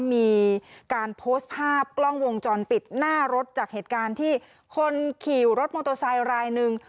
มีการโพสต์ภาพกล้องวงจรปิดหน้ารถจากเหตุการณ์ที่คนขี่รถมอเตอร์ไซค์รายหนึ่ง